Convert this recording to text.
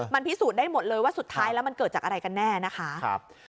มันพิสูจน์ได้หมดเลยว่าสุดท้ายแล้วมันเกิดจากอะไรกันแน่นะคะ